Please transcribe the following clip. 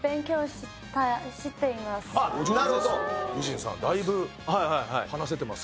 ユジンさんだいぶ話せてます。